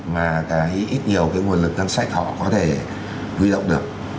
mà cái ít nhiều cái nguồn lực ngân sách họ có thể huy động được